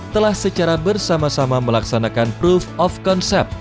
telah secara bersama sama melaksanakan proof of concept